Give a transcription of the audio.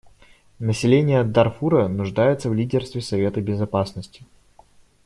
Население Дарфура нуждается в лидерстве Совета Безопасности.